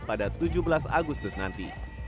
pada tujuh belas agustus nanti